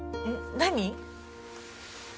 何？